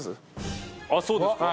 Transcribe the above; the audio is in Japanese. あっそうですか。